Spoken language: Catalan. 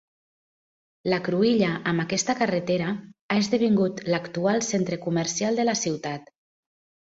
La cruïlla amb aquesta carretera ha esdevingut l'actual centre comercial de la ciutat.